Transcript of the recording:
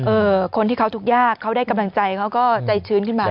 คนที่เขาทุกข์ยากเขาได้กำลังใจเขาก็ใจชื้นขึ้นมา